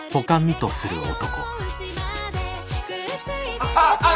あああっ